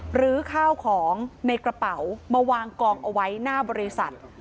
หรือข้าวของในกระเป๋ามาวางกองเอาไว้หน้าบริษัท